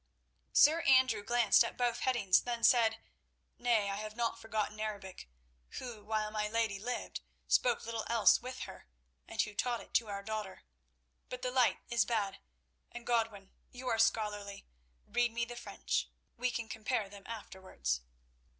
Sir Andrew glanced at both headings, then said: "Nay, I have not forgotten Arabic, who, while my lady lived, spoke little else with her, and who taught it to our daughter. But the light is bad, and, Godwin, you are scholarly; read me the French. We can compare them afterwards."